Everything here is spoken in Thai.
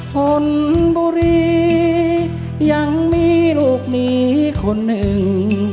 ชนบุรียังมีลูกหมีคนหนึ่ง